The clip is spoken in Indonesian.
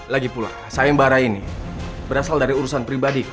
lagi pula seimbara ini berasal dari urusan pribadiku